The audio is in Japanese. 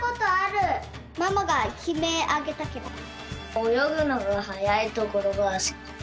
わたしおよぐのがはやいところがすき。